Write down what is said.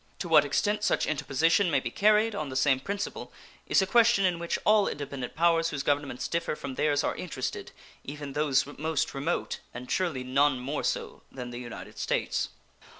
To what extent such interposition may be carried, on the same principle, is a question in which all independent powers whose governments differ from theirs are interested, even those most remote, and surely none more so than the United States.